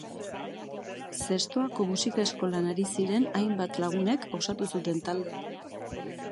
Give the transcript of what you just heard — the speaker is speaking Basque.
Zestoako musika eskolan ari ziren hainbat lagunek osatu zuten taldea.